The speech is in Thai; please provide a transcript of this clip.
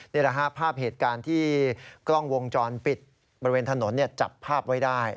นี่แหละฮะภาพเหตุการณ์ที่กล้องวงจรปิดบริเวณถนนจับภาพไว้ได้